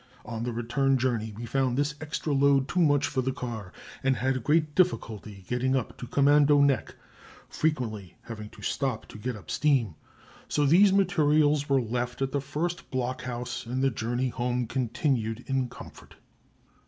"On the return journey we found this extra load too much for the car, and had great difficulty getting up to Commando Nek, frequently having to stop to get up steam, so these materials were left at the first blockhouse, and the journey home continued in comfort.